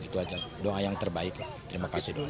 itu aja doa yang terbaik terima kasih doang